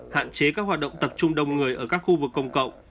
hạn chế các hoạt động tập trung đông người ở các khu vực công cộng